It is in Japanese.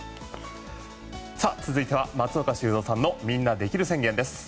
続いては松岡修造さんのみんなできる宣言です。